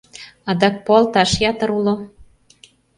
Адак пуалташ ятыр уло.